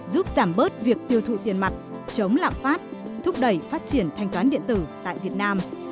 giúp giảm bớt việc tiêu thụ tiền mặt chống lạm phát thúc đẩy phát triển thanh toán điện tử tại việt nam